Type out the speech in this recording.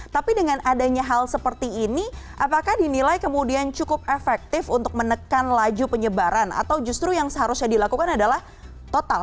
tapi dengan adanya hal seperti ini apakah dinilai kemudian cukup efektif untuk menekan laju penyebaran atau justru yang seharusnya dilakukan adalah total